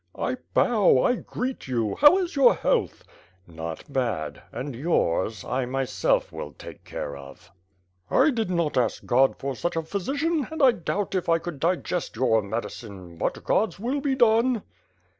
"I bow, I greet you! How is your health?" "Not bad. And yours, I myself will take care of." "I did not ask God for such a physician, and I doubt if I could digest your medicine; but God's will be done."